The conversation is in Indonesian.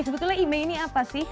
sebetulnya email ini apa sih